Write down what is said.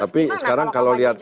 tapi sekarang kalau lihat